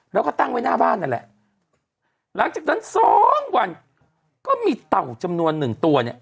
แล้วก็ตั้งไว้หน้าบ้านนั่นแหละหลังจากนั้นสองวันก็มีเต่าจำนวนหนึ่งตัวเนี่ย